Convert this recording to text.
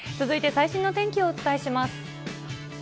続いて、最新の天気をお伝えします。